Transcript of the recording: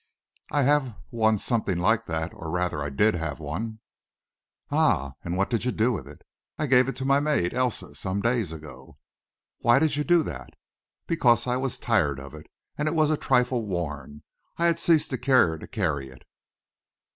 "I have one something like that or, rather, I did have one." "Ah! And what did you do with it?" "I gave it to my maid, Elsa, some days ago." "Why did you do that?" "Because I was tired of it, and as it was a trifle worn, I had ceased to care to carry it."